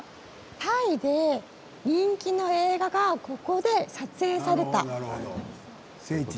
タイで人気の映画がここで撮影された？